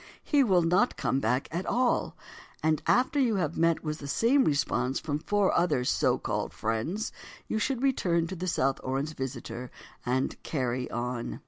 He will not come back at all. And after you have met with the same response from four other so called friends, you should return to the South Orange visitor and "carry on."